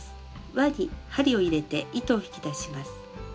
輪に針を入れて糸を引き出します。